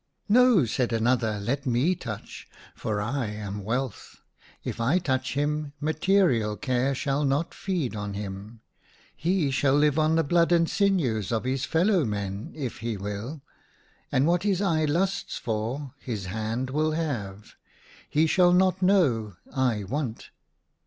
" No," said another, " let me touch ; for I am Wealth. If I touch him material care shall not feed on him. He shall live on the blood and sinews of his fellow men, if he will ; and what his eye lusts for, his hand will have. He shall not know * I want.'